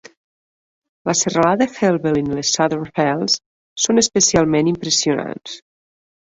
La serralada Helvellyn i les Southern Fells són especialment impressionants.